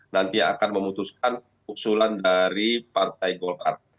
nanti akan memutuskan usulan dari partai golkar